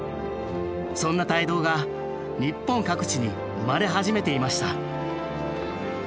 そんな胎動が日本各地に生まれ始めていました。